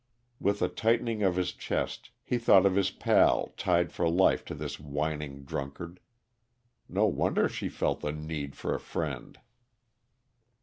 With a tightening of his chest, he thought of his "pal," tied for life to this whining drunkard. No wonder she felt the need of a friend!